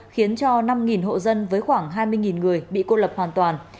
khiến cho năm hộ dân với khoảng hai mươi người bị cô lập hoàn toàn